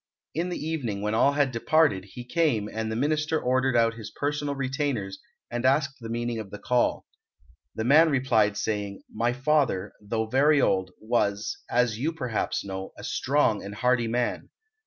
In the evening, when all had departed, he came, and the Minister ordered out his personal retainers and asked the meaning of the call. The man replied, saying, "My father, though very old, was, as you perhaps know, a strong and hearty man.